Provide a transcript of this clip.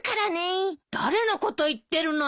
誰のこと言ってるのよ！？